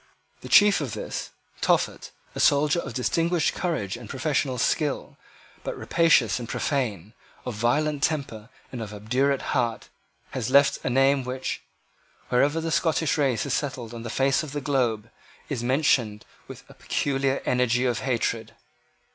The chief of this Tophet, a soldier of distinguished courage and professional skill, but rapacious and profane, of violent temper and of obdurate heart, has left a name which, wherever the Scottish race is settled on the face of the globe, is mentioned with a peculiar energy of hatred.